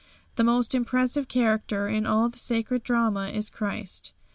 The most impressive character in all the sacred drama is Christ.